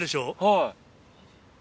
はい。